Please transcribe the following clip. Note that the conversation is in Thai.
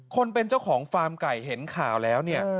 คนเป็นเจ้าของฟาร์มไก่เห็นข่าวแล้วเนี่ย